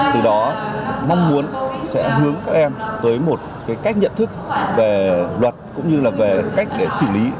từ đó mong muốn sẽ hướng các em tới một cái cách nhận thức về luật cũng như là về cách để xử lý